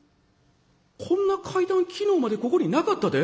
こんな階段昨日までここになかったで。